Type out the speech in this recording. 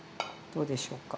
どうでしょうか。